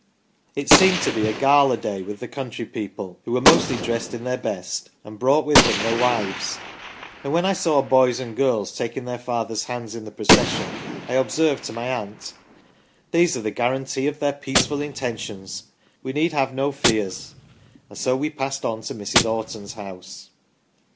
It seemed to be a gala day with the country people, who were mostly dressed in their best, and brought with them their wives, and when I saw boys and girls taking their father's hands in the procession, I observed to my aunt :* These are the guarantee of their peaceful intentions, we need have no fears,' and so we passed on to Mrs. Orton's house."